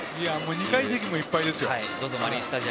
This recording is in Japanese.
２階席もいっぱいです。